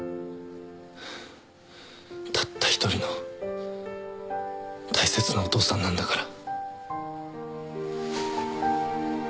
たった一人の大切なお父さんなんだから。